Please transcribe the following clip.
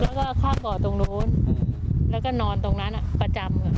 แล้วก็เข้าบ่อตรงนู้นแล้วก็นอนตรงนั้นประจำ